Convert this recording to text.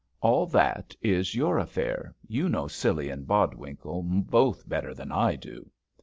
All that is your affair you know Scilly and Bodwinkle both better than I do.